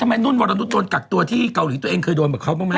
นุ่นวรนุษยโดนกักตัวที่เกาหลีตัวเองเคยโดนแบบเขาบ้างไหม